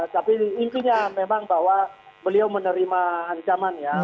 tapi intinya memang bahwa beliau menerima ancaman ya